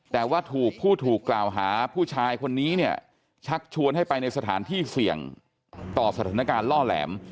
แต่ว่าถูกผู้ถูกกล่าวหาผู้ชายคนนี้เนี่ยชักชวนให้ไปในสถานที่เสี่ยงต่อสถานการณ์ล่อแหลม